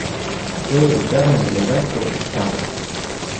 Fue educada en el hogar por sus padres.